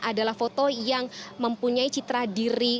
adalah foto yang mempunyai citra diri